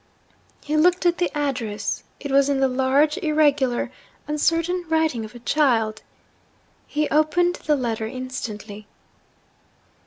He looked at the address. It was in the large, irregular, uncertain writing of a child. He opened the letter instantly.